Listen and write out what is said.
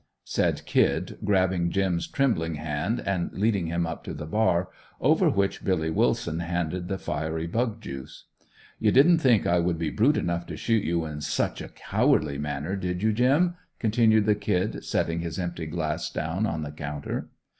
Said "Kid" grabbing "Jim's" trembling hand and leading him up to the bar, over which Billy Willson handed the fiery bug juice. "You didn't think I would be brute enough to shoot you in such a cowardly manner, did you, Jim?" continued the "Kid" setting his empty glass down on the counter.